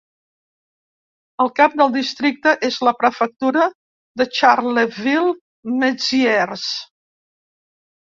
El cap del districte és la prefectura de Charleville-Mézières.